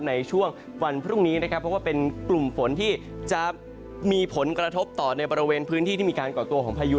ในช่วงวันพรุ่งนี้นะครับเพราะว่าเป็นกลุ่มฝนที่จะมีผลกระทบต่อในบริเวณพื้นที่ที่มีการก่อตัวของพายุ